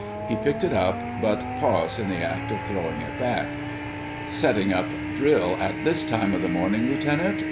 He picked it up, but paused in the act of throwing it back. "Setting up drill at this time of the morning, Lieutenant?"